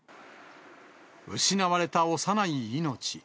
失われた幼い命。